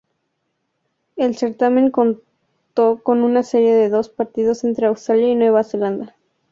El certamen contó con una serie de dos partido entre Australia y Nueva Zelanda.